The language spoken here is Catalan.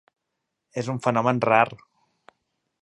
És un fenomen rar.